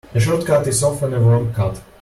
A short cut is often a wrong cut.